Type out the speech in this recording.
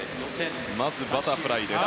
まずバタフライです。